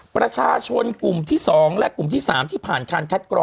ประชาชนกลุ่มที่๒และกลุ่มที่๓ที่ผ่านการคัดกรอง